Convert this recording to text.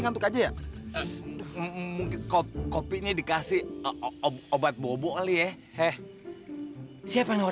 nggak tau nggak tau banget